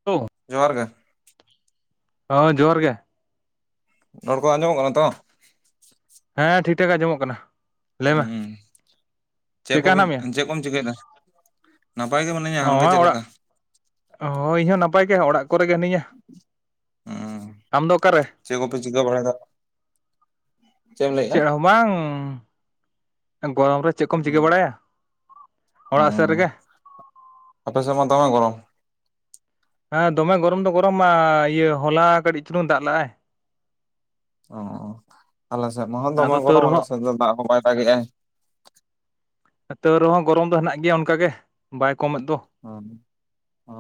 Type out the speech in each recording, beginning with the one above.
[unintelligible] ᱡᱚᱦᱟᱨ ᱜᱮ ᱦᱚᱸ ᱡᱚᱦᱟᱨ ᱜᱮ ᱨᱚᱲ ᱠᱚ ᱟᱸᱡᱚᱢᱚᱜ ᱠᱟᱱᱟ ᱛᱚ ᱾ ᱦᱮᱸ ᱴᱷᱤᱠ-ᱴᱷᱟᱠ ᱟᱸᱡᱚᱢᱚᱜ ᱠᱟᱱᱟ ᱾ ᱩᱸ ᱪᱮᱫ ᱪᱮᱫᱠᱟ ᱠᱚᱵᱤᱱ ᱦᱮᱱᱟᱜ ᱢᱮᱭᱟ? ᱪᱮᱫ ᱠᱚᱢ ᱪᱤᱠᱟᱹᱭ ᱫᱟ? ᱱᱟᱯᱟᱭ ᱜᱮ ᱢᱱᱟᱹᱧᱟ ᱟᱢ ᱜᱮ ᱪᱮᱫ ᱞᱮᱠᱟ? ᱚ ᱤᱧ ᱦᱚᱸ ᱱᱟᱯᱟᱭ ᱜᱮ ᱚᱲᱟᱜ ᱠᱚᱨᱮ ᱜᱮ ᱦᱮᱱᱟᱹᱧᱟ ᱾ ᱩᱸ ᱚᱠᱟᱨᱮ? ᱪᱮᱫ ᱠᱚᱯᱮ ᱪᱤᱠᱟᱹ ᱵᱟᱲᱟᱭᱫᱟ? ᱪᱮᱢ ᱞᱟᱹᱭᱼᱟ? ᱪᱮᱫ ᱦᱚᱸ ᱵᱟᱝ ᱜᱚᱨᱚᱢ ᱨᱮ ᱪᱮᱫ ᱠᱚᱢ ᱪᱤᱠᱟᱹ ᱵᱟᱲᱟᱭᱟ ᱾ ᱦᱩᱸ ᱟᱯᱮ ᱥᱮᱫ ᱢᱟ ᱫᱚᱢᱮ ᱜᱚᱨᱚᱢ ᱾ ᱦᱮᱸ ᱫᱚᱢᱮ ᱜᱚᱨᱚᱢ ᱫᱚ ᱜᱚᱨᱚᱢᱟ ᱤᱭᱟᱹ ᱦᱚᱞᱟ ᱠᱟᱹᱴᱤᱡ ᱪᱩᱞᱩᱝ ᱫᱟᱜ ᱞᱟᱜ-ᱟᱭ ᱚ ᱟᱞᱮ ᱥᱮᱫ ᱢᱟ ᱦᱟᱸᱜ ᱫᱚᱢᱮ ᱟᱫᱚ ᱛᱟᱹᱣ ᱜᱚᱨᱚᱢ ᱟᱞᱮ ᱨᱮᱦᱚᱸ ᱥᱮᱫ ᱫᱚ ᱫᱟᱜ ᱦᱚᱸ ᱵᱟᱭ ᱫᱟᱜᱽ ᱮᱜ-ᱟᱭ ᱛᱟᱹᱣ ᱨᱮᱦᱚᱸ ᱜᱚᱨᱚᱢ ᱫᱚ ᱦᱮᱱᱟᱜ ᱜᱮᱭᱟ ᱚᱱᱠᱟᱜ ᱜᱮ ᱵᱟᱭ ᱠᱚᱢᱮᱫ ᱫᱚ ᱚ ᱚ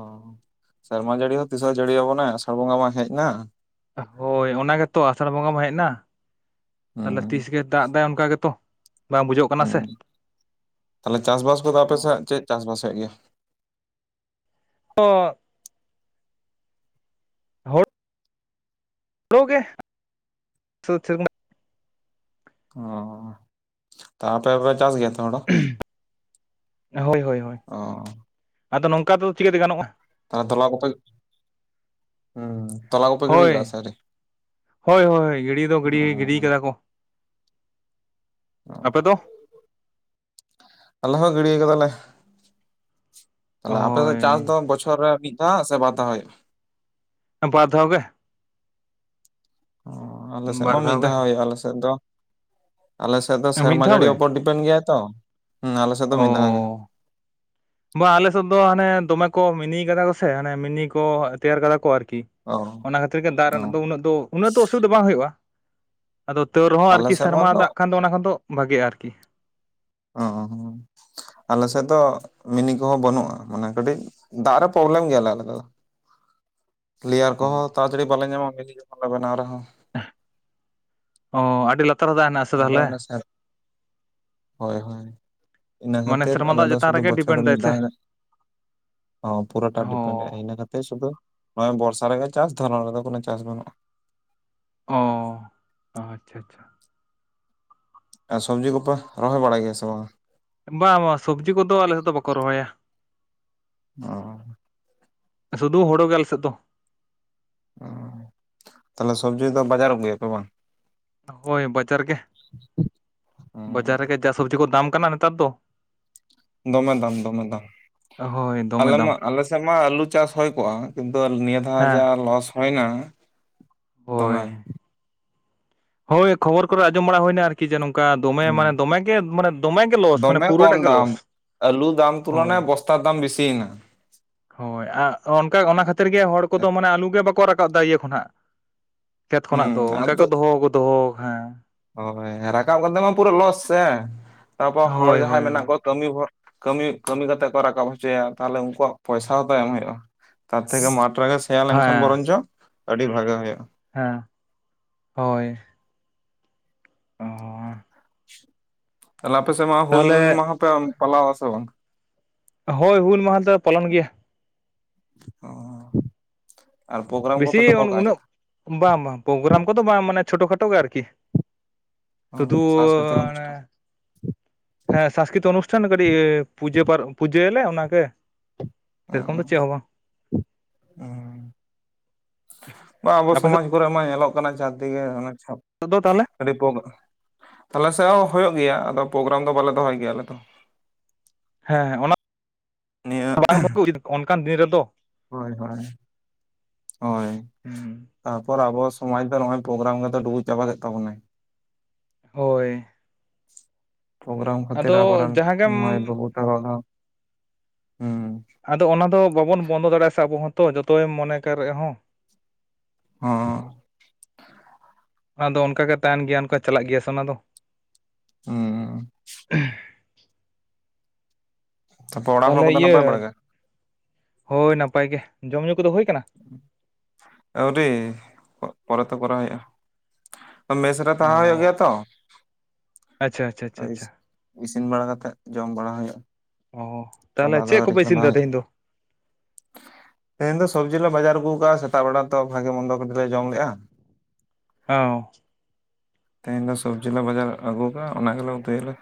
ᱥᱮᱨᱢᱟ ᱡᱟᱹᱲᱤ ᱦᱚᱸ ᱛᱤᱥᱚᱜ ᱮ ᱡᱟᱹᱲᱤᱭᱟᱵᱚᱱᱟ ᱟᱥᱟᱲ ᱵᱚᱸᱜᱟ ᱢᱟ ᱦᱮᱡ ᱮᱱᱟ ᱦᱚᱭ ᱚᱱᱟ ᱜᱮᱛᱚ ᱟᱥᱟᱲ ᱵᱚᱸᱜᱟ ᱢᱟ ᱦᱮᱡ ᱱᱟ ᱛᱟᱦᱞᱮ ᱦᱩᱸ ᱛᱤᱥ ᱜᱮ ᱫᱟᱜ ᱫᱟᱭ ᱚᱱᱠᱟ ᱜᱮᱛᱚ ᱵᱟᱝ ᱵᱩᱡᱷᱟᱹᱜ ᱠᱟᱱᱟ ᱥᱮ ᱦᱩᱸ ᱛᱟᱦᱞᱮ ᱪᱟᱥᱵᱟᱥ ᱠᱚᱫᱚ ᱟᱯᱮ ᱥᱮᱫ ᱪᱮᱫ ᱪᱟᱥ ᱵᱟᱥ ᱦᱩᱭᱩᱜ ᱜᱮᱭᱟ? ᱚ ᱨᱚ ᱜᱮ ᱥᱩ ᱪᱟᱹᱨ ᱨᱮᱱᱟᱜ ᱚ ᱛᱚ ᱟᱯᱮ ᱯᱮ ᱪᱟᱥ ᱜᱮᱭᱟ ᱛᱚ ᱦᱚᱲᱚ ᱦᱚᱭ ᱦᱚᱭ ᱦᱚᱭ ᱟᱫᱚ ᱱᱚᱝᱠᱟ ᱫᱚ ᱪᱤᱠᱟᱹᱛᱮ ᱜᱟᱱᱚᱜᱼᱟ᱾ ᱛᱟ ᱛᱚᱞᱟ ᱠᱚᱯᱮ ᱦᱩᱸ ᱛᱚᱞᱟ ᱠᱚᱯᱮ ᱜᱤᱲᱤ ᱠᱟᱜ-ᱟ ᱥᱮ ᱟᱹᱣᱨᱤ ᱦᱚᱭ ᱦᱚᱭ ᱜᱤᱲᱤ ᱫᱚ ᱜᱤᱲᱤ ᱚ ᱜᱤᱰᱤ ᱠᱟᱫᱟ ᱠᱚ ᱟᱯᱮ ᱫᱚ ᱟᱞᱮ ᱦᱚᱸ ᱜᱤᱲᱤᱭ ᱠᱟᱫᱟᱞᱮ ᱛᱟᱦᱞᱮ ᱟᱯᱮ ᱥᱮᱫ ᱪᱟᱥ ᱦᱳᱭ ᱫᱚ ᱵᱚᱪᱷᱚᱨ ᱨᱮ ᱢᱤᱫ ᱫᱷᱟᱣ ᱥᱮ ᱵᱟᱨ ᱫᱷᱟᱣ ᱦᱩᱭᱩᱜᱼᱟ? ᱵᱟᱨ ᱫᱷᱟᱣ ᱜᱮ ᱚ ᱟᱞᱮ ᱥᱮᱫ ᱢᱟ ᱵᱟᱨ ᱢᱤᱫ ᱫᱷᱟᱣ ᱜᱮ ᱦᱚᱭᱚᱜᱼᱟ ᱟᱞᱮ ᱥᱮᱫ ᱫᱚ ᱟᱞᱮ ᱥᱮᱫ ᱫᱚ ᱢᱤᱫ ᱥᱮᱨᱢᱟ ᱫᱷᱟᱣ ᱡᱟᱹᱲᱤ ᱜᱮ ᱩᱯᱚᱨ ᱛᱟᱹᱱ ᱜᱮᱭᱟ ᱛᱚ ᱦᱚᱸ ᱟᱞᱮᱮᱥᱮᱫ ᱫᱚ ᱢᱤᱫ ᱫᱷᱟᱣ ᱜᱮ ᱵᱟ ᱟᱞᱮ ᱥᱮᱫ ᱫᱚ ᱦᱟᱱᱮ ᱫᱚᱢᱮ ᱠᱚ ᱢᱤᱱᱤ ᱠᱟᱫᱟ ᱠᱚ ᱥᱮ ᱦᱟᱱᱮ ᱢᱤᱱᱤ ᱠᱚ ᱛᱮᱭᱟᱨ ᱠᱟᱫᱟ ᱠᱚ ᱟᱨᱠᱤ ᱚ ᱚᱱᱟ ᱠᱷᱟᱹᱛᱤᱨ ᱜᱮ ᱫᱟᱜ ᱚ ᱨᱮᱱᱟᱜ ᱫᱚ ᱩᱱᱟᱹᱜ ᱫᱚ ᱩᱱᱟᱹᱜ ᱫᱚ ᱚᱥᱩᱫᱽ ᱵᱟᱝ ᱦᱩᱭᱩᱜᱼᱟ ᱟᱫᱚ ᱛᱟᱹᱣ ᱨᱮᱦᱚᱸ ᱟᱞᱮ ᱟᱨᱠᱤ ᱥᱮᱫ ᱥᱮᱨᱢᱟ ᱢᱟᱛᱚ ᱫᱟᱜ ᱠᱟᱱ ᱫᱚ ᱚᱱᱟ ᱦᱚᱸ ᱛᱚ ᱵᱷᱟᱜᱤᱼᱟ ᱚ ᱟᱞᱮ ᱥᱮᱫ ᱫᱚ ᱢᱤᱱᱤ ᱠᱚᱦᱚᱸ ᱵᱟᱹᱱᱩᱜ-ᱟ ᱢᱟᱱᱮ ᱠᱟᱹᱴᱤᱡ ᱫᱟᱜ ᱨᱮ ᱯᱚᱵᱽᱞᱮᱢ ᱜᱮᱭᱟᱞᱮ ᱟᱞᱮ ᱫᱚ ᱞᱮᱭᱟᱨ ᱠᱚᱦᱚᱸ ᱛᱟᱨᱡᱟᱹᱲᱤ ᱵᱟᱞᱮ ᱧᱟᱢᱟ ᱩᱱᱤ ᱡᱚᱠᱷᱚᱱ ᱞᱮ ᱵᱮᱱᱟᱣ ᱨᱮᱦᱚᱸ ᱚ ᱟᱹᱰᱤ ᱞᱟᱜ ᱟᱫᱚ ᱚᱱᱮ ᱥᱟᱨ ᱦᱚᱭ ᱦᱚᱭ ᱤᱱᱟᱹ ᱢᱟᱱᱮ ᱠᱷᱟᱹᱛᱤᱨ ᱥᱮᱨᱢᱟ ᱟᱞᱮ ᱫᱟᱜ ᱫᱚ ᱪᱮᱛᱟᱱ ᱥᱩᱫᱷᱩ ᱨᱮᱜᱮ ᱵᱚᱪᱷᱚᱨ ᱨᱮ ᱰᱤᱯᱮᱱᱰ ᱫᱟᱭ ᱢᱤᱫ ᱥᱮ ᱫᱷᱟᱣ ᱚ ᱯᱩᱨᱟ ᱴᱟᱵᱽ ᱚ ᱰᱤᱯᱮᱱᱰᱟᱭ ᱤᱱᱟᱹ ᱠᱟᱛ ᱥᱩᱫᱩ ᱱᱚᱜᱚᱭ ᱵᱚᱨᱥᱟ ᱨᱮᱜᱮ ᱪᱟᱥ ᱫᱷᱚᱨᱚᱱ ᱨᱮᱫᱚ ᱠᱚᱱᱚ ᱪᱟᱥ ᱵᱟᱹᱱᱩᱜ-ᱟ ᱚ ᱟᱪᱪᱷᱟ ᱪᱷᱟ ᱟᱨ ᱥᱚᱵᱽᱡᱤ ᱠᱚᱯᱮ ᱨᱚᱦᱚᱭ ᱵᱟᱲᱟᱭ ᱜᱮᱭᱟ ᱥᱮ ᱵᱟᱝ? ᱵᱟᱝ ᱵᱟᱝ ᱥᱚᱵᱡᱤ ᱠᱚᱫᱚ ᱟᱞᱮ ᱥᱮᱫ ᱫᱚ ᱵᱟᱠᱚ ᱨᱚᱦᱚᱭᱟ ᱚ ᱥᱩᱫᱩ ᱦᱩᱲᱚ ᱜᱮᱞ ᱥᱮᱫ ᱫᱚ ᱛᱟᱞᱮ ᱥᱚᱵᱽᱡᱤ ᱫᱚ ᱵᱟᱡᱟᱨ ᱟᱹᱜᱩᱭᱟ ᱠᱚ ᱵᱟᱝ ᱦᱚᱭ ᱵᱟᱡᱟᱨ ᱜᱮ ᱵᱟᱡᱟᱨ ᱨᱮᱜᱮ ᱡᱟ ᱥᱚᱵᱽᱡᱤ ᱠᱚ ᱫᱟᱢ ᱠᱟᱱᱟ ᱱᱮᱛᱟᱨ ᱫᱚ ᱫᱚᱢᱮ ᱫᱟᱢ ᱫᱚᱢᱮ ᱫᱟᱢ ᱚ ᱦᱚᱭ ᱟᱞᱮ ᱢᱟ ᱟᱞᱮ ᱥᱮᱫ ᱢᱟ ᱟᱹᱞᱩ ᱪᱟᱥ ᱦᱚᱭ ᱠᱚᱜ-ᱟ ᱠᱤᱱᱛᱩ ᱱᱤᱭᱟᱹ ᱫᱷᱟᱣ ᱡᱟ ᱦᱮᱸ ᱞᱚᱥ ᱦᱚᱭᱱᱟ ᱫᱚᱢᱮ ᱦᱚᱭ ᱠᱷᱚᱵᱚᱨ ᱠᱚᱨᱮ ᱟᱸᱡᱚᱢ ᱵᱟᱲᱟ ᱦᱩᱭᱱᱟ ᱟᱨ ᱠᱤ ᱡᱮ ᱱᱚᱝᱠᱟ ᱫᱚᱢᱮ ᱢᱟᱱᱮ ᱦᱩᱸ ᱫᱚᱢᱮᱜᱮ ᱢᱟᱱᱮ ᱫᱚᱢᱮᱜᱮ ᱞᱚᱥ ᱢᱟᱱᱮ ᱫᱚᱢᱮ ᱯᱩᱨᱟᱹ ᱠᱚᱢ ᱴᱟᱜ ᱜᱮ ᱫᱟᱢ ᱞᱚᱥ ᱟᱹᱞᱩ ᱫᱟᱢ ᱛᱩᱞᱚᱱᱟ ᱦᱳᱭ ᱵᱚᱥᱛᱟ ᱫᱟᱢ ᱵᱤᱥᱤᱭᱮᱱᱟ ᱦᱚᱭ ᱟᱨ ᱚᱱᱠᱟ ᱚᱱᱟ ᱠᱷᱟᱹᱛᱤᱨ ᱜᱮ ᱦᱚᱲ ᱠᱚᱫᱚ ᱢᱟᱱᱮ ᱟᱹᱞᱩ ᱜᱮ ᱵᱟᱠᱚ ᱨᱟᱠᱟᱵ ᱮᱫᱟ ᱤᱭᱟᱹ ᱠᱷᱚᱱᱟᱜ ᱠᱷᱮᱛ ᱠᱷᱚᱱᱟᱜ ᱫᱚ ᱦᱩᱸ ᱚᱱᱠᱟ ᱠᱚ ᱫᱚᱦᱚ ᱠᱚ ᱫᱚᱦᱚ ᱦᱮᱸ ᱦᱚᱭ ᱨᱟᱠᱟᱵ ᱠᱟᱛᱮ ᱢᱟ ᱯᱩᱨᱟᱹ ᱞᱚᱥ ᱥᱮ ᱛᱟᱯᱚᱨ ᱦᱚᱲ ᱦᱳᱭ ᱡᱟᱦᱟᱸᱭ ᱦᱳᱭ ᱦᱳᱭ ᱢᱮᱱᱟᱜ ᱠᱚ ᱠᱟᱹᱢᱤ ᱵᱷᱚᱨ ᱠᱟᱹᱢᱤ ᱠᱟᱹᱢᱤ ᱠᱟᱛᱮᱜ ᱠᱚ ᱨᱟᱠᱟᱵ ᱦᱚᱪᱚᱭᱟ ᱛᱟᱦᱞᱮ ᱩᱱᱠᱩᱣᱟᱜ ᱯᱚᱭᱥᱟ ᱦᱚᱸ ᱛᱚ ᱮᱢ ᱦᱩᱭᱩᱜᱼᱟ ᱛᱟᱨ ᱛᱷᱮᱠᱮ ᱢᱟᱴᱷ ᱨᱮᱜᱮ ᱥᱮᱭᱟ ᱞᱮᱱᱠᱷᱟᱱ ᱦᱮᱸ ᱵᱚᱨᱚᱱᱡᱚᱜ ᱟᱹᱰᱤ ᱵᱷᱟᱜᱮ ᱦᱩᱭᱩᱜᱼᱟ ᱦᱮᱸ ᱦᱚᱭ [unintelligible] ᱛᱟᱦᱞᱮ ᱟᱯᱮ ᱥᱮᱫ ᱢᱟ ᱦᱩᱞ ᱛᱟᱦᱚᱞᱮ ᱢᱟᱦᱟ ᱯᱮ ᱯᱟᱞᱟᱣᱟ ᱥᱮ ᱵᱟᱝ? ᱦᱳᱭ ᱦᱩᱞ ᱢᱟᱦᱟ ᱫᱚᱞᱮ ᱯᱟᱞᱚᱱ ᱜᱮᱭᱟ ᱾ [unintelligible] ᱟᱨ ᱯᱨᱳᱜᱨᱟᱢ ᱠᱚᱯᱮ ᱵᱮᱥᱤ ᱫᱚᱦᱚ ᱠᱟᱜᱼᱟ ᱪᱮᱫ ᱩᱱᱟᱹᱜ ᱵᱟᱝ ᱵᱟᱝ ᱯᱨᱳᱜᱨᱟᱢ ᱠᱚᱫᱚ ᱵᱟᱝ ᱢᱟᱱᱮ ᱪᱷᱳᱴᱳ ᱠᱷᱟᱴᱚ ᱜᱮ ᱟᱨ ᱠᱤ ᱾ ᱚ ᱥᱟᱝᱥᱠᱨᱤᱛᱤᱠ ᱚᱱᱩᱥᱴᱷᱟᱱ [unintelligible] ᱦᱮᱸ ᱥᱟᱥᱠᱨᱤᱛ ᱚᱱᱩᱥᱴᱷᱟᱱ ᱠᱟᱹᱴᱤᱡ ᱯᱩᱡᱟᱹ ᱯᱩᱡᱟᱹᱭᱟᱞᱮ ᱚᱱᱟᱜᱮ ᱥᱮᱭᱨᱚᱠᱚᱢ ᱫᱚ ᱪᱮᱫ ᱦᱚᱸ ᱵᱟᱝ ᱾ [unintelligible] ᱵᱟᱝ ᱟᱵᱚ ᱟᱯᱮ ᱥᱚᱢᱟᱡᱽ ᱠᱚᱨᱮ ᱢᱟ ᱧᱮᱞᱚᱜ ᱠᱟᱱᱟ [unintelligible] ᱪᱷᱟᱯ [unintelligible] ᱫᱚ ᱛᱟᱦᱚᱞᱮ ᱟᱹᱰᱤ [unintelligible] ᱛᱟᱦᱞᱮ ᱥᱮᱜ ᱦᱚᱸ ᱦᱩᱭᱩᱜ ᱜᱮᱭᱟ ᱟᱫᱚ ᱯᱨᱳᱜᱨᱟᱢ ᱫᱚ ᱵᱟᱞᱮ ᱫᱚᱦᱚᱭ ᱜᱮᱭᱟ ᱟᱞᱮ ᱫᱚ ᱾ ᱦᱮᱸ ᱱᱤᱭᱟᱹ [unintelligible] [unintelligible] ᱚᱱᱠᱟᱱ ᱫᱤᱱ ᱨᱮᱫᱚ ᱦᱳᱭ ᱦᱳᱭ ᱦᱳᱭ ᱦᱩᱸ ᱛᱟᱯᱚᱨ ᱟᱵᱚ ᱥᱚᱢᱟᱡ ᱫᱚ ᱱᱚᱜᱚᱭ ᱯᱨᱳᱜᱨᱟᱢ ᱜᱮᱫᱚ ᱰᱩᱵᱩᱡ ᱪᱟᱵᱟ ᱠᱮᱫ ᱛᱟᱵᱚᱱᱟᱭ ᱾ ᱦᱚᱭ ᱯᱨᱳᱜᱽᱨᱟᱢ ᱠᱷᱟᱹᱛᱤᱨ ᱟᱵᱚ ᱨᱮᱱ ᱡᱟᱦᱟᱸ ᱜᱮᱢ ᱢᱟᱹᱭ ᱵᱹᱵᱩ ᱛᱮᱠᱚ ᱫᱚ ᱦᱩᱸ ᱟᱫᱚ ᱚᱱᱟ ᱫᱚ ᱵᱟᱵᱚᱱ ᱵᱚᱱᱫᱚ ᱫᱟᱲᱮᱭᱟᱜᱼᱟ ᱥᱮ ᱟᱵᱚ ᱦᱚᱸᱛᱚ ᱡᱚᱛᱚᱭᱮᱢ ᱢᱚᱱᱮ ᱠᱮ ᱨᱮᱦᱚᱸ ᱾ ᱦᱚᱸ ᱚᱱᱟ ᱫᱚ ᱚᱱᱠᱟ ᱜᱮ ᱛᱟᱦᱮᱱ ᱜᱮᱭᱟ ᱚᱱᱠᱟ ᱪᱟᱞᱟᱜ ᱜᱮᱭᱟ ᱥᱮ ᱚᱱᱟ ᱫᱚ ᱦᱩᱸ ᱛᱟᱯᱚᱨ ᱚᱲᱟᱜ ᱦᱚᱲ ᱛᱟᱦᱚᱞᱮ ᱠᱚᱫᱚ ᱤᱭᱟᱹ ᱱᱟᱯᱟᱭ ᱵᱟᱲᱟ ᱜᱮ ᱦᱳᱭ ᱱᱟᱯᱟᱭ ᱜᱮ ᱾ ᱡᱚᱢ ᱧᱩ ᱠᱚᱫᱚ ᱦᱳᱭ ᱟᱠᱟᱱᱟ? ᱟᱹᱣᱨᱤ ᱯᱚᱨᱮ ᱛᱮ ᱠᱚᱨᱟᱣ ᱦᱩᱭᱩᱜᱼᱟ ᱾ ᱢᱮᱥ ᱨᱮ ᱚ ᱛᱟᱦᱮᱸ ᱦᱩᱭᱩᱜ ᱜᱮᱭᱟ ᱛᱚ ᱾ ᱟᱪᱪᱷᱟ ᱟᱪᱪᱷᱟ ᱟᱪᱪᱷᱟ ᱟᱪᱪᱷᱟ ᱤᱥᱤᱱ ᱵᱟᱲᱟ ᱠᱟᱛᱮᱜ ᱡᱚᱢ ᱵᱟᱲᱟ ᱦᱩᱭᱩᱜᱼᱟ ᱾ ᱚ ᱛᱟᱦᱚᱞᱮ ᱪᱮᱫ ᱠᱚᱯᱮ ᱤᱥᱤᱱ ᱮᱫᱟ ᱦᱩᱭᱩᱜᱼᱟ ᱛᱮᱦᱮᱧ ᱫᱚ? ᱛᱮᱦᱮᱧ ᱫᱚ ᱥᱚᱵᱽᱡᱤ ᱞᱮ ᱵᱟᱡᱟᱨ ᱟᱹᱜᱩ ᱟᱠᱟᱫᱟᱼᱟ ᱾ ᱥᱮᱛᱟᱜ ᱵᱮᱲᱟ ᱛᱚ ᱵᱷᱟᱜᱤ ᱢᱚᱱᱫᱚ ᱠᱟᱴᱤᱡ ᱞᱮ ᱡᱚᱢ ᱞᱮᱜᱼᱟ ᱾ ᱚᱻ ᱛᱮᱦᱮᱧ ᱫᱚ ᱥᱚᱵᱽᱡᱤ ᱞᱮ ᱵᱟᱡᱟᱨ ᱟᱹᱜᱩ ᱠᱟᱜᱼᱟ ᱚᱱᱟ ᱜᱮᱞᱮ ᱩᱛᱩᱭᱟᱞᱮ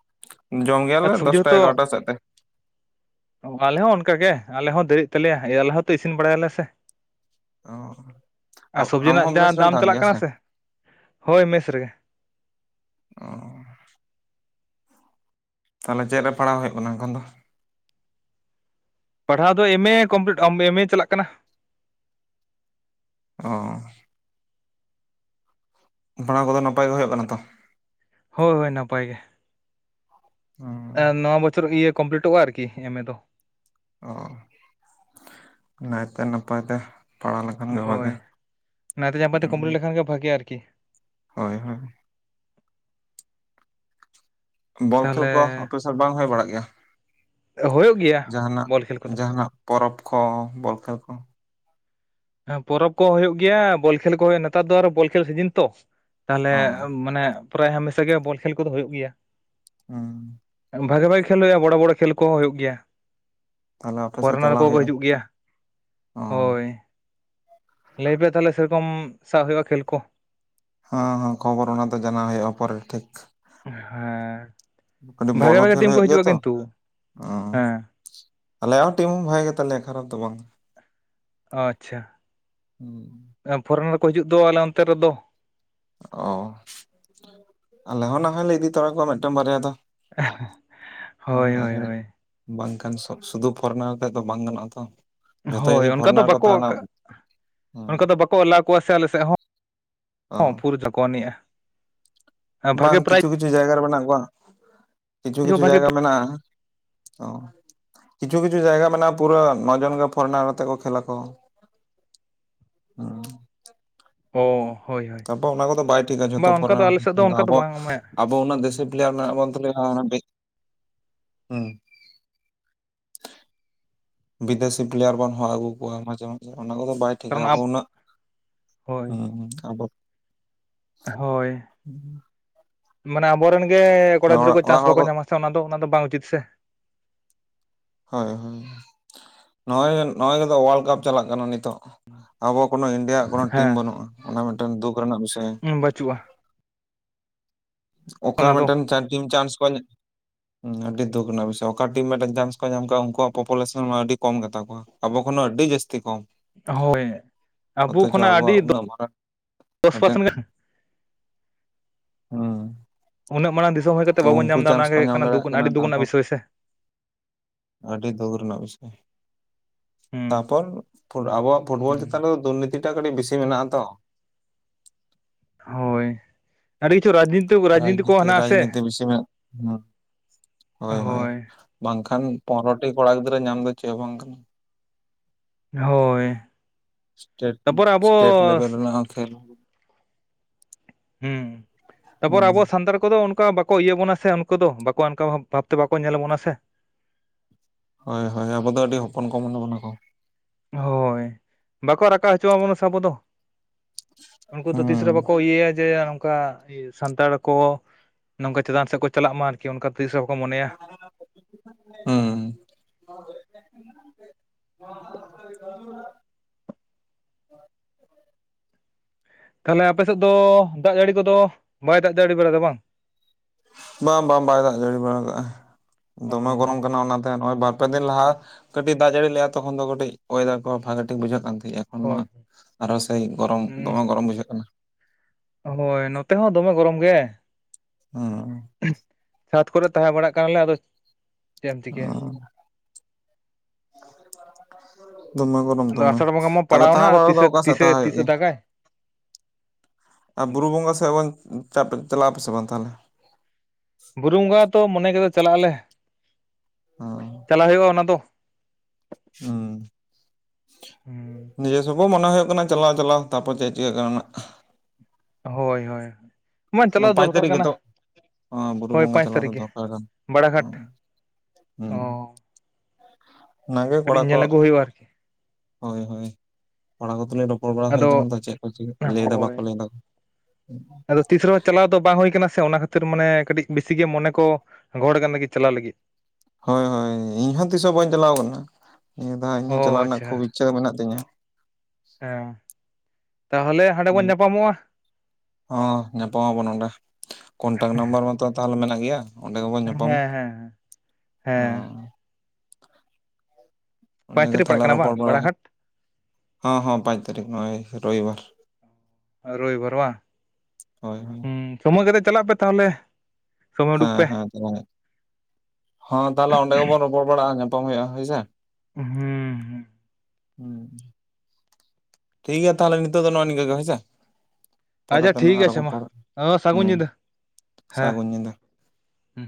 ᱾ ᱡᱚᱢ ᱜᱮᱭᱟ ᱟᱨ ᱞᱮ ᱥᱚᱵᱽᱡᱤ ᱫᱚᱥᱴᱟ ᱮᱜᱟᱨᱚᱴᱟ ᱥᱮᱫ ᱛᱮ ᱾ ᱚ ᱟᱞᱮ ᱦᱚᱸ ᱚᱱᱠᱟ ᱜᱮ ᱟᱞᱮ ᱦᱚᱸ ᱫᱮᱨᱤᱜ ᱛᱟᱞᱮᱭᱟ ᱟᱞᱮ ᱦᱚᱸᱛᱚ ᱤᱥᱤᱱ ᱵᱟᱲᱟᱭᱟᱞᱮ ᱥᱮ ᱾ ᱚ ᱟᱨ ᱥᱚᱵᱽᱡᱤ ᱟᱢ ᱦᱚᱸ ᱨᱮᱱᱟᱜ ᱡᱟ ᱢᱮᱥ ᱨᱮᱢ ᱫᱟᱢ ᱛᱟᱦᱮᱱ ᱪᱟᱞᱟᱜ ᱜᱮᱭᱟ ᱠᱟᱱᱟ ᱥᱮ, ᱦᱚᱭ ᱢᱮᱥ ᱨᱮᱜᱮ ᱾ ᱚ ᱛᱟᱦᱚᱞᱮ ᱪᱮᱫ ᱨᱮ ᱯᱟᱲᱟᱣ ᱦᱩᱭᱩᱜ ᱠᱟᱱᱟ ᱮᱱᱠᱷᱚᱱ ᱫᱚ? ᱯᱟᱲᱦᱟᱣ ᱫᱚ ᱮᱢᱮ ᱠᱚᱢᱯᱞᱤᱴ ᱮᱢᱮ ᱪᱟᱞᱟᱜ ᱠᱟᱱᱟ ᱾ ᱚᱻ ᱯᱟᱲᱦᱟᱣ ᱠᱚᱫᱚ ᱱᱟᱯᱟᱭ ᱜᱮ ᱦᱩᱭᱩᱜ ᱠᱟᱱᱟ ᱛᱚ? ᱦᱚᱭ ᱦᱚᱭ ᱱᱟᱯᱟᱭ ᱜᱮ ᱾ ᱦᱩᱸ ᱱᱚᱣᱟ ᱵᱚᱪᱷᱚᱨ ᱤᱭᱟᱹ ᱠᱚᱢᱯᱞᱤᱴᱚᱜᱼᱟ ᱟᱨᱠᱤ ᱮᱢᱮ ᱫᱚ ᱾ ᱚ ᱱᱟᱭᱛᱮ ᱱᱟᱯᱟᱭ ᱛᱮ ᱾ ᱯᱟᱲᱦᱟᱣ ᱞᱮᱠᱷᱟᱱ ᱜᱮ ᱦᱳᱭ ᱵᱷᱟᱜᱮ ᱾ ᱱᱟᱭᱛᱮ ᱱᱟᱯᱟᱭᱛᱮ ᱠᱚᱢᱯᱞᱤᱴ ᱜᱮ ᱵᱷᱟᱜᱮ ᱟᱨᱠᱤ ᱾ ᱦᱚᱭ ᱦᱚᱭ ᱵᱚᱞ ᱠᱦᱮᱞ ᱠᱚ ᱛᱟᱦᱚᱞᱮ ᱟᱯᱮ ᱥᱮᱫ ᱵᱟᱝ ᱦᱩᱭ ᱵᱟᱲᱟᱜ ᱜᱮᱭᱟ? ᱦᱳᱭᱳᱜ ᱜᱮᱭᱟ ᱡᱟᱦᱟᱱᱟᱜ ᱵᱚᱞ ᱠᱷᱮᱞ ᱠᱚᱫᱚ ᱡᱟᱦᱟᱱᱟᱜ ᱯᱚᱨᱚᱵᱽ ᱠᱚ ᱵᱚᱞ ᱠᱷᱮᱞ ᱠᱚ ᱦᱮᱸ ᱯᱚᱨᱚᱵᱽ ᱠᱚ ᱦᱩᱭᱩᱜ ᱜᱮᱭᱟ ᱵᱚᱞ ᱠᱷᱮᱞ ᱠᱚ ᱦᱩᱭᱩᱜᱼᱟ ᱱᱮᱛᱟᱨ ᱫᱚ ᱟᱨᱚ ᱵᱚᱞ ᱠᱷᱮᱞ ᱥᱤᱡᱤᱱ ᱛᱚ ᱾ ᱛᱟᱦᱚᱞᱮ ᱚ ᱢᱟᱱᱮ ᱯᱩᱨᱟᱹ ᱦᱟᱢᱮᱥᱟ ᱜᱮ ᱵᱚᱞ ᱠᱷᱮᱞ ᱠᱚᱫᱚ ᱦᱩᱭᱩᱜ ᱜᱮᱭᱟ? ᱦᱮᱸ ᱵᱷᱟᱜᱮ ᱵᱷᱟᱜᱮ ᱠᱷᱮᱞ ᱦᱩᱭᱩᱜᱼᱟ ᱵᱚᱲᱚ ᱵᱚᱲᱚ ᱠᱷᱮᱞ ᱠᱚᱦᱚᱸ ᱦᱩᱭᱩᱜ ᱜᱮᱭᱟ ᱾ ᱛᱟᱦᱚᱞᱮ ᱟᱯᱮ ᱥᱮᱫ ᱯᱷᱚᱨᱮᱱᱟᱨ ᱪᱟᱞᱟᱣ ᱠᱚᱠᱚ ᱦᱩᱭᱩᱜᱼᱟ ᱦᱤᱡᱩᱜ ᱜᱮᱭᱟ ᱚ᱾ ᱦᱚᱭ ᱾ ᱞᱟᱹᱭ ᱯᱮ ᱛᱟᱦᱚᱞᱮ ᱥᱮᱨᱚᱠᱚᱢ ᱥᱟᱵ ᱦᱩᱭᱩᱜᱼᱟ ᱠᱷᱮᱞ ᱠᱚ ᱾ ᱦᱚᱸ ᱦᱚᱸ ᱠᱷᱚᱵᱚᱨ ᱚᱱᱟ ᱫᱚ ᱡᱟᱱᱟᱣ ᱦᱩᱭᱩᱜᱼᱟ ᱯᱚᱨᱮ ᱛᱮᱡ ᱦᱮᱸ ᱠᱟᱹᱰᱤ ᱵᱚᱞ ᱵᱷᱟᱜᱮ ᱦᱚᱸ ᱵᱷᱟᱜᱮ ᱠᱷᱮᱞ ᱴᱤᱢ ᱠᱚ ᱦᱩᱭᱩᱜ ᱜᱮᱭᱟ ᱦᱤᱡᱩᱜᱼᱟ ᱛᱚ ᱠᱤᱱᱛᱩ ᱚᱸ ᱦᱮᱸ ᱟᱞᱮᱭᱟᱜ ᱦᱚᱸ ᱴᱤᱢ ᱵᱷᱟᱜᱮ ᱜᱮᱛᱟᱞᱮᱭᱟ ᱠᱷᱟᱨᱟᱯ ᱫᱚ ᱵᱟᱝ ᱟᱪᱪᱷᱟ ᱯᱷᱚᱨᱱᱟ ᱨᱮᱠᱚ ᱦᱤᱡᱩᱜ ᱫᱚ ᱟᱞᱮ ᱚᱱᱛᱮ ᱨᱮᱫᱚ ᱚ ᱟᱞᱮ ᱦᱚᱸ ᱱᱟᱦᱟᱭ ᱞᱮ ᱤᱫᱤ ᱛᱟᱨᱟ ᱠᱚᱣᱟ ᱢᱤᱫᱴᱟᱝ ᱵᱟᱨᱭᱟ ᱫᱚ ᱦᱳᱭ ᱦᱳᱭ [unintelligible] ᱦᱳᱭ ᱵᱟᱝᱠᱷᱟᱱ ᱥᱚᱛ ᱥᱩᱫᱷᱩ ᱯᱷᱚᱨᱮ ᱟᱛᱮ ᱫᱚ ᱵᱟᱝ ᱜᱟᱱᱚᱜᱼᱟ ᱛᱚ ᱡᱚᱛᱚ ᱦᱳᱭ ᱡᱩᱫᱤ ᱚᱱᱠᱟ ᱫᱚ ᱯᱷᱚᱨᱱᱟᱨ ᱠᱚ ᱵᱟᱠᱚ ᱛᱟᱦᱮᱱᱟ ᱟᱠᱟᱜ ᱦᱩᱸ ᱚᱱᱠᱟ ᱫᱚ ᱵᱟᱠᱚ ᱠᱚ ᱮᱞᱟᱣ ᱠᱚᱣᱟ ᱥᱮ ᱟᱞᱮ ᱥᱮᱫ ᱚ ᱦᱚᱸ ᱯᱷᱩᱨ ᱡᱷᱚᱠᱚᱣᱱᱤᱡᱼᱟ ᱵᱟᱝ ᱠᱤᱪᱷᱩ ᱠᱤᱪᱷᱩ ᱡᱟᱭᱜᱟ ᱨᱮ ᱢᱮᱱᱟᱜ ᱠᱚᱣᱟ ᱠᱤᱪᱷᱩ ᱦᱚᱸ ᱠᱤᱪᱷᱩ ᱵᱷᱟᱜᱮ ᱡᱟᱭᱜᱟ ᱢᱮᱱᱟᱜᱼᱟ ᱚ ᱠᱤᱪᱷᱩ ᱠᱤᱪᱷᱩ ᱡᱟᱭᱜᱟ ᱢᱮᱱᱟᱜᱼᱟ ᱯᱩᱨᱟᱹ ᱱᱚ ᱡᱚᱱ ᱜᱮ ᱯᱷᱚᱨᱮᱱᱟᱨ ᱠᱟᱛᱮᱫ ᱠᱚ ᱠᱷᱮᱞᱟᱠᱚ ᱚ ᱦᱳᱭ ᱦᱳᱭ ᱛᱟᱯᱚᱨ ᱚᱱᱟ ᱠᱚᱫᱚ ᱵᱟᱭ ᱴᱷᱤᱠᱟ ᱡᱚᱛᱚ ᱵᱟᱝ ᱚᱱᱠᱟ ᱯᱷᱚᱨᱮᱱᱟᱨ ᱠᱚ ᱟᱞᱮ ᱥᱮᱫ ᱨᱮᱱ ᱫᱚ ᱚᱱᱠᱟ ᱟᱵᱚ ᱵᱟᱝ ᱟᱵᱚ ᱩᱱᱟᱜ ᱫᱮᱥᱤ ᱯᱞᱮᱭᱟᱨ ᱢᱮᱱᱟᱜ ᱵᱚᱱ ᱛᱩᱞᱩᱡ ᱦᱚᱸ ᱵᱮᱠ ᱦᱩᱸ ᱵᱤᱫᱮᱥᱤ ᱯᱞᱮᱭᱟᱨ ᱵᱚᱱ ᱦᱚ ᱦᱚ ᱟᱹᱜᱩ ᱠᱚᱣᱟ ᱢᱟᱡᱷᱮ ᱢᱟᱡᱷᱮ ᱚᱱᱟ ᱠᱚᱫᱚ ᱵᱟᱭ ᱴᱷᱤᱠᱟ ᱟᱵᱚ ᱠᱟᱨᱚᱱ ᱩᱱᱟᱹᱜ ᱦᱳᱭ ᱦᱩᱸ ᱟᱵᱚ ᱦᱳᱭ ᱢᱟᱱᱮ ᱟᱵᱚᱨᱮᱱ ᱜᱮ ᱠᱚᱲᱟ ᱜᱤᱫᱽᱨᱟᱹ ᱚᱲᱟᱜ ᱠᱚ ᱪᱟᱥ ᱚᱲᱟᱜ ᱦᱚᱲ ᱵᱟᱠᱚ ᱧᱟᱢᱟ ᱥᱮ ᱚᱱᱟᱫᱚ ᱚᱱᱟ ᱫᱚ ᱵᱟᱝ ᱩᱪᱤᱛ ᱥᱮ ᱦᱳᱭ ᱦᱳᱭ ᱱᱚᱜ ᱚᱭ ᱱᱚᱜ ᱚᱭ ᱜᱚᱫᱚ ᱚᱣᱟᱨᱞ ᱠᱟᱯ ᱪᱟᱞᱟᱜ ᱠᱟᱱᱟ ᱱᱤᱛᱚᱜ ᱟᱵᱚ ᱠᱳᱱᱚ ᱤᱱᱰᱤ ᱭᱟᱜ ᱠᱳᱱᱳ ᱴᱤᱢ ᱵᱟᱹᱱᱩᱜᱼᱟ ᱚᱱᱟ ᱢᱤᱫ‌ ᱴᱮᱱ ᱫᱩᱠ ᱨᱮᱱᱟᱜ ᱵᱤᱥᱚᱭ ᱦᱩ ᱵᱟᱹᱪᱩᱜᱼᱟ ᱚᱠᱟ ᱚᱱᱟ ᱢᱤᱫ ᱫᱚ ᱴᱟᱱ ᱪᱟᱨᱡᱤᱝ ᱪᱟᱱᱥ ᱵᱟᱱ ᱧᱟ ᱩ ᱟᱹᱰᱤ ᱫᱩᱠ ᱨᱮᱱᱟᱜ ᱵᱤᱥᱚᱭ ᱚᱠᱟ ᱴᱤᱢ ᱢᱤᱫ ᱴᱟᱱ ᱪᱟᱱᱥ ᱠᱚ ᱧᱟᱢ ᱠᱟᱜᱼᱟ ᱩᱱᱠᱩᱣᱟᱜ ᱯᱚᱯᱚᱞᱮᱥᱚᱱ ᱢᱟ ᱟᱹᱰᱤ ᱠᱚᱢ ᱜᱮᱛᱟ ᱠᱚᱣᱟ ᱟᱵᱚ ᱠᱷᱚᱱ ᱦᱚᱸ ᱟᱹᱰᱤ ᱡᱟᱹᱥᱛᱤ ᱠᱚᱢ ᱦᱳᱭ ᱟᱵᱚ ᱚᱛᱷᱚᱪᱚ ᱠᱷᱚᱱᱟᱜ ᱟᱹᱰᱤ ᱟᱵᱚᱣᱟᱜ ᱩᱱᱟᱹᱜ ᱢᱟᱨᱟᱝ ᱫᱚᱥ ᱢᱤᱫ ᱴᱮᱱ ᱯᱟᱨᱥᱮᱱ ᱜᱟᱱ ᱦᱩᱸ ᱩᱱᱟᱹᱜ ᱢᱟᱲᱟᱝ ᱫᱤᱥᱚᱢ ᱦᱳᱭ ᱠᱟᱫ ᱛᱚ ᱩᱱᱠᱩ ᱪᱟᱱᱥ ᱠᱚ ᱧᱟᱢ ᱫᱟᱲᱮᱭᱟᱜ ᱠᱟᱱᱟ ᱛᱟᱯᱚᱨ ᱥᱮ ᱟᱹᱰᱤ ᱫᱩᱠ ᱨᱮᱱᱟᱜ ᱵᱤᱥᱚᱭ ᱦᱩᱸ ᱛᱟᱯᱚᱨ ᱯᱷᱩᱴ ᱟᱵᱚᱣᱟᱜ ᱯᱷᱩᱴᱵᱚᱞ ᱪᱮᱛᱟᱱ ᱨᱮᱫᱚ ᱫᱩᱨᱱᱤᱛᱤᱴᱟᱜ ᱠᱟᱹᱴᱤᱡ ᱵᱮᱥᱤ ᱢᱮᱱᱟᱜᱼᱟ ᱛᱚ ᱦᱳᱭ ᱟᱹᱰᱤ ᱠᱤᱪᱷᱩ ᱨᱟᱡᱽᱱᱤᱛᱤ ᱨᱟᱡᱽᱱᱤᱛᱤ ᱠᱚ ᱦᱮᱱᱟᱜᱼᱟ ᱥᱮ [unintelligible] ᱦᱳᱭ ᱦᱳᱭ ᱵᱟᱝ ᱠᱷᱟᱱ ᱯᱚᱱᱨᱚᱴᱤ ᱠᱚᱲᱟ ᱜᱤᱫᱽᱨᱟᱹ ᱧᱟᱢ ᱫᱚ ᱪᱮᱫ ᱦᱚᱸ ᱵᱟᱝ ᱠᱟᱱᱟ ᱦᱳᱭ ᱥᱴᱮᱴ ᱩᱸᱜ ᱛᱟᱯᱚᱨ ᱟᱵᱚ ᱥᱴᱮᱴ ᱞᱮᱵᱮᱞ ᱨᱮᱱᱟᱜ ᱦᱚᱸ ᱠᱷᱮᱞ ᱦᱩᱸ ᱛᱟᱯᱚᱨ ᱦᱩᱸ ᱟᱵᱚ ᱥᱟᱱᱛᱟᱲ ᱠᱚᱫᱚ ᱚᱱᱠᱟ ᱵᱟᱠ ᱵᱟᱠᱚ ᱤᱭᱟᱹ ᱵᱚᱱᱟ ᱥᱮ ᱩᱱᱠᱩ ᱫᱚ ᱵᱟᱠᱚ ᱚᱱᱠᱟ ᱵᱷᱟᱵᱽ ᱵᱷᱟᱵᱽᱛᱮ ᱵᱟᱠᱚ ᱧᱮᱞ ᱵᱚᱱᱟ ᱥᱮ ᱦᱳᱭ ᱦᱳᱭ ᱟᱵᱚ ᱫᱚ ᱟᱹᱰᱤ ᱦᱚᱯᱚᱱ ᱠᱚ ᱢᱚᱱᱮ ᱵᱚᱱᱟ ᱠᱚ ᱦᱳᱭ ᱵᱟᱠᱚ ᱨᱟᱠᱟᱵ ᱦᱚᱪᱚᱣᱟᱵᱚᱱᱟ ᱥᱮ ᱟᱵᱚ ᱫᱚ ᱩᱱᱠᱩ ᱫᱚ ᱛᱤᱥ ᱨᱮ ᱦᱩᱸ ᱵᱟᱠᱚ ᱤᱭᱟᱹᱭᱟ ᱡᱮ ᱚᱱ ᱚᱱᱠᱟ ᱤᱭᱟᱹ ᱥᱟᱱᱛᱟᱲ ᱠᱚ ᱱᱚᱝᱠᱟ ᱪᱮᱛᱟᱱ ᱥᱮᱫ ᱠᱚ ᱪᱟᱞᱟᱜ ᱢᱟ ᱟᱨᱠᱤ ᱚᱱᱠᱟ ᱛᱤᱥ ᱦᱚᱸ ᱵᱟᱠᱚ ᱢᱚᱱᱮᱭᱟ ᱦᱩᱸ ᱛᱟᱦᱚᱞᱮ ᱟᱯᱮ ᱥᱮᱫ ᱫᱚ ᱫᱟᱜ ᱡᱟᱹᱲᱤ ᱠᱚᱫᱚ ᱵᱟᱭ ᱫᱟᱜ ᱫᱟᱹᱲᱤ ᱵᱟᱲᱟᱭᱮᱫᱟ ᱵᱟᱝ ᱵᱟᱝ ᱵᱟᱝ ᱵᱟᱭ ᱫᱟᱜ ᱡᱟᱹᱲᱤ ᱵᱟᱲᱟ ᱠᱟᱜᱼᱟ ᱫᱚᱢᱮ ᱜᱚᱨᱚᱢ ᱦᱳᱭ ᱠᱟᱱᱟ ᱚᱱᱟᱛᱮ ᱱᱚᱜᱚᱭ ᱵᱟᱨ ᱯᱮ ᱫᱤᱱ ᱞᱟᱦᱟ ᱠᱟᱹᱴᱤᱡ ᱫᱟᱜ ᱡᱟᱹᱲᱤ ᱞᱮᱼᱟ ᱛᱚᱠᱷᱚᱱ ᱫᱚ ᱠᱟᱹᱴᱤᱡ ᱚᱭᱮᱫᱟᱨ ᱠᱚ ᱯᱷᱟᱜᱟ ᱴᱷᱤᱠ ᱵᱩᱡᱷᱟᱹᱜ ᱠᱟᱱ ᱛᱟᱦᱤᱜᱼᱟ ᱦᱳᱭ [unintelligible] ᱫᱚᱢᱮ ᱜᱚᱨᱚᱢ ᱵᱩᱡᱷᱟᱹᱜ ᱠᱟᱱᱟ ᱦᱳᱭ ᱱᱚᱛᱮ ᱦᱚᱸ ᱫᱚᱢᱮ ᱜᱚᱨᱚᱢ ᱜᱮ ᱦᱩᱸ ᱩᱸᱜᱽ ᱪᱷᱟᱛ ᱠᱚᱨᱮ ᱛᱟᱦᱮᱸ ᱵᱟᱲᱟᱜ ᱠᱟᱱᱟᱞᱮ ᱟᱫᱚ ᱪᱮᱫ ᱮᱢ ᱪᱤᱠᱟᱹᱭᱟ ᱦᱩᱸ ᱫᱚᱢᱮ ᱜᱚᱨᱚᱢ ᱟᱫᱚ ᱫᱚᱢᱮ ᱟᱥᱟᱲ ᱵᱚᱸᱜᱟ ᱢᱟ ᱛᱟᱦᱞᱮ ᱛᱟᱦᱮ ᱯᱟᱲᱟᱣᱱᱟ ᱟᱫᱚ ᱵᱟᱲᱟ ᱫᱚ ᱛᱤᱥᱮ ᱚᱠᱟ ᱥᱮᱫ ᱛᱤᱥᱮ ᱛᱟᱦᱮ ᱦᱩᱭᱩᱜ ᱛᱤᱥᱮ ᱜᱮᱭᱟ ᱫᱟᱜᱟᱭ ᱟᱨ ᱵᱩᱨᱩ ᱵᱚᱸᱜᱟ ᱥᱮᱜ ᱵᱚᱧ ᱫᱟᱜ ᱪᱟᱞᱟᱜ ᱟᱯᱮ ᱥᱮ ᱵᱟᱝ ᱛᱟᱦᱚᱞᱮ ᱵᱩᱨᱩ ᱵᱚᱸᱜᱟ ᱛᱚ ᱢᱚᱱᱮ ᱠᱮᱫᱟ ᱪᱟᱞᱟᱜ ᱟᱞᱮ, ᱦᱩᱸ ᱪᱟᱞᱟᱣ ᱦᱩᱭᱩᱜᱼᱟ ᱚᱱᱟ ᱫᱚ ᱦᱩᱸᱻᱻ [unintelligible] ᱱᱤᱡᱮᱥ ᱠᱚ ᱢᱚᱱᱮ ᱦᱩᱭᱩᱜ ᱠᱟᱱᱟ ᱪᱟᱞᱟᱣ ᱪᱟᱞᱟᱣ ᱛᱟᱯᱚᱨ ᱪᱮᱫ ᱪᱤᱠᱟᱹ ᱦᱳᱭ ᱦᱳᱭ ᱢᱟ ᱪᱟᱞᱟᱣ ᱱᱚᱣᱟ ᱯᱟᱸᱪ ᱫᱚᱨᱠᱟᱨ ᱛᱟᱹᱨᱤᱠᱷ ᱠᱟᱱᱟ ᱜᱮᱛᱚᱜ ᱵᱩᱨᱩ ᱦᱳᱭ ᱵᱚᱸᱜᱟ ᱯᱟᱸᱪ ᱪᱟᱞᱟᱣ ᱫᱚ ᱛᱟᱹᱨᱤᱠᱷ ᱜᱮ ᱫᱚᱨᱠᱟᱨ ᱠᱟᱱᱟ ᱵᱟᱲᱟᱜᱷᱟᱴ ᱦᱮᱸ ᱦᱮᱸ ᱚ ᱚᱱᱟ ᱜᱮ ᱠᱟᱹᱴᱤᱡ ᱠᱚᱲᱟ ᱠᱚ ᱧᱮᱞ ᱟᱹᱜᱩ ᱦᱩᱭᱩᱜᱼᱟ ᱟᱨᱠᱤ ᱦᱳᱭ ᱦᱳᱭ ᱠᱚᱲᱟ ᱠᱚ ᱛᱩᱞᱩᱡ [unintelligible] ᱨᱯᱚᱲ ᱵᱟᱲᱟ ᱦᱩᱭ ᱠᱟᱱᱟ ᱟᱫᱚ ᱛᱚ ᱪᱮᱫ ᱠᱚ ᱞᱟᱹᱭ ᱮᱫᱟ ᱵᱟᱠᱚ ᱦᱳᱭ ᱞᱟᱹᱭ ᱮᱫᱟ ᱟᱫᱚ ᱛᱤᱥ ᱨᱮᱦᱚᱸ ᱪᱟᱞᱟᱣ ᱫᱚ ᱵᱟᱝ ᱦᱩᱭ ᱟᱠᱟᱱᱟ ᱥᱮ ᱚᱱᱟ ᱠᱷᱟᱹᱛᱤᱨ ᱢᱟᱱᱮ ᱠᱟᱹᱴᱤᱡ ᱵᱮᱥᱤ ᱜᱮ ᱢᱚᱱᱮ ᱠᱚ ᱜᱚᱦᱚᱲᱚᱜ ᱠᱟᱱᱟ ᱪᱟᱞᱟᱣ ᱞᱟᱹᱜᱤᱫ ᱦᱳᱭ ᱦᱳᱭ ᱤᱧ ᱦᱚᱸ ᱛᱤᱥ ᱦᱚᱸ ᱵᱟᱹᱧ ᱪᱟᱞᱟᱣ ᱟᱠᱟᱱᱟ ᱱᱤᱭᱟᱹ ᱫᱷᱟᱣ ᱤᱧ ᱚ ᱦᱚᱸ ᱪᱟᱞᱟᱜ ᱨᱮᱱᱟᱜ ᱠᱷᱩᱵᱽ ᱟᱪᱪᱷᱟ ᱤᱪᱪᱷᱟᱹ ᱢᱮᱱᱟᱜ ᱛᱤᱧᱟᱹ ᱦᱮᱸ ᱛᱟᱦᱚᱞᱮ ᱦᱟᱸᱰᱮ ᱵᱚᱱ ᱧᱟᱯᱟᱢᱚᱜᱼᱟ ᱚᱸᱻ ᱧᱟᱯᱟᱢ ᱟᱵᱚᱱ ᱱᱚᱰᱮ ᱠᱚᱱᱴᱟᱠᱴ ᱱᱟᱢᱵᱟᱨ ᱢᱟᱛᱚ ᱛᱟᱦᱟᱞᱮ ᱢᱮᱱᱟᱜ ᱜᱮᱭᱟ ᱚᱸᱰᱮ ᱜᱮᱵᱚᱱ ᱦᱮᱸ ᱧᱟᱯᱟᱢᱟ ᱦᱮᱸ ᱦᱮᱸ ᱯᱟᱸᱪ ᱚᱸᱰᱮ ᱜᱮ ᱛᱟᱹᱨᱤᱠᱷ ᱯᱟᱲᱟᱜ ᱛᱟᱦᱟᱞᱮ ᱠᱟᱱᱟ ᱵᱟᱝ ᱨᱚᱯᱚᱨ ᱵᱟᱲᱟ ᱵᱟᱲᱟᱜᱷᱟᱴ ᱦᱚᱸ- ᱦᱚᱸ ᱯᱟᱸᱪ ᱛᱟᱨᱤᱠᱷ ᱱᱚᱜᱚᱭ ᱨᱚᱵᱤᱵᱟᱨ ᱨᱚᱭᱤᱵᱟᱨ ᱵᱟᱝ? ᱦᱳᱭ ᱦᱳᱭ ᱦᱩᱸ ᱥᱚᱢᱚᱭ ᱠᱟᱛᱮᱜ ᱪᱟᱞᱟᱜ ᱯᱮ ᱛᱟᱦᱚᱞᱮ ᱥᱚᱢᱚᱭ ᱩᱰᱩᱠ ᱦᱮᱸ ᱯᱮ ᱦᱮᱸ [unintelligible] ᱛᱟᱦᱚᱞᱮ ᱚᱸᱰᱮ ᱜᱮᱵᱚᱱ ᱨᱚᱯᱚᱲ ᱵᱟᱲᱟᱜᱼᱟ ᱧᱟᱯᱟᱢ ᱦᱩᱭᱩᱜᱼᱟ ᱦᱳᱭ ᱥᱮ ᱩᱸᱻᱻᱦᱩᱸᱫ ᱦᱮᱸ [inaudible] ᱴᱷᱤᱠ ᱜᱮᱭᱟ ᱛᱟᱦᱚᱞᱮ ᱱᱤᱛᱚᱜ ᱫᱚ ᱱᱚᱜᱼᱚᱭ ᱱᱤᱝᱠᱹᱟ ᱜᱮ ᱦᱮᱸ ᱥᱮ ᱯᱚᱨᱮ ᱟᱪᱪᱷᱟ ᱛᱮᱱᱟᱜ [unintelligible] ᱴᱷᱤᱠ ᱟᱨ ᱦᱚᱸ ᱟᱪᱷᱮ ᱢᱟ ᱨᱚᱯᱚᱲᱚᱜᱼᱟ, ᱦᱚᱸ ᱦᱩᱸ ᱥᱟᱹᱜᱩᱱ ᱧᱤᱫᱟᱹ ᱦᱮᱸ ᱥᱟᱹᱜᱩᱱ ᱧᱤᱫᱟᱹ ᱦᱩᱸ